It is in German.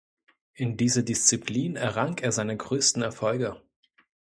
In dieser Disziplin errang er seine größten Erfolge.